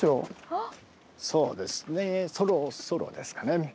そうですねそろそろですかね。